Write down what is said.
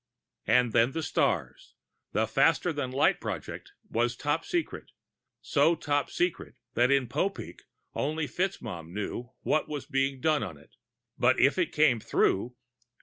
And then, the stars. The faster than light project was top secret, so top secret that in Popeek only FitzMaugham knew what was being done on it. But if it came through....